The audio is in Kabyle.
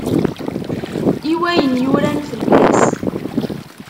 I wayen yuran fell-as?